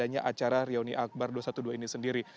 adanya acara reuni akbar dua ratus dua belas ini sendiri